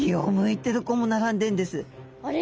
あれ？